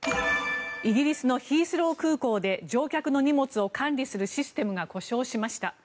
イギリスのヒースロー空港で乗客の荷物を管理するシステムが故障しました。